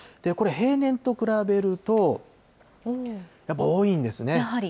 これ、平年と比べると、やっぱ多いんですね。